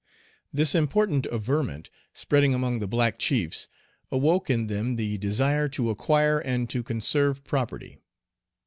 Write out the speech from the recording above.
This important averment, spreading among the black chiefs, awoke in them the desire to acquire and to conserve property.